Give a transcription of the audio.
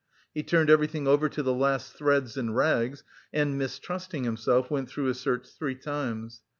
He turned everything over to the last threads and rags, and mistrusting himself, went through his search three times.